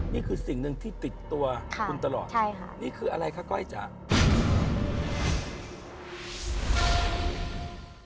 นี่คือสิ่งหนึ่งที่ติดตัวคุณตลอดนี่คืออะไรคะก้อยจ้ะค่ะใช่ค่ะ